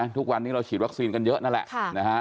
ทุกวันนี้เราฉีดวัคซีนกันเยอะนั่นแหละ